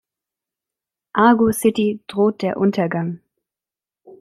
Argo City droht der Untergang.